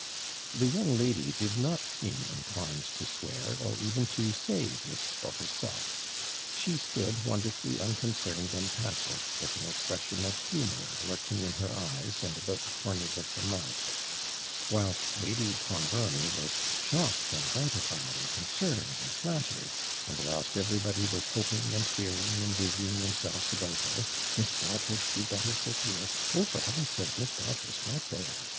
The young lady did not seem inclined to swear, or even to say this for herself; she stood wonderfully unconcerned and passive, with an expression of humour lurking in her eyes, and about the corners of her mouth; whilst Lady Clonbrony was 'shocked,' and 'gratified,' and 'concerned' and 'flattered' and whilst everybody was hoping, and fearing, and busying themselves about her 'Miss Broadhurst, you'd better sit here!' 'Oh, for Heaven's sake! Miss Broadhurst, not there!'